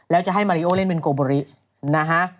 แล้วจะให้มาริโอเล่นเป็นโกโบรินะฮะ